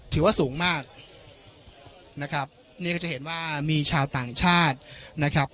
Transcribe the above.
ถือว่าสูงมากนะครับนี่ก็จะเห็นว่ามีชาวต่างชาตินะครับ